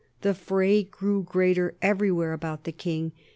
The fray grew greater everywhere about the king.